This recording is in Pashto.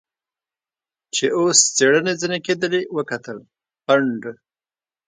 چې اوس څېړنې ځنې کېدلې وکتل، پنډ.